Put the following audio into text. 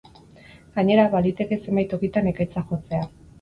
Gainera, baliteke zenbait tokitan ekaitzak jotzea.